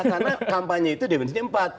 karena kampanye itu di bencinya empat